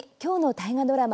大河ドラマ